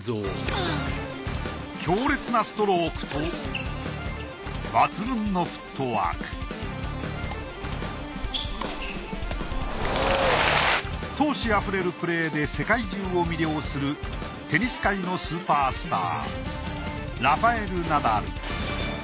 強烈なストロークと抜群のフットワーク闘志あふれるプレーで世界中を魅了するテニス界のスーパースターラファエル・ナダル。